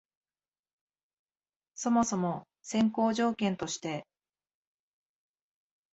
そもそも先行条件として、